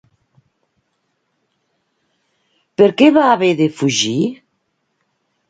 Per què va haver de fugir?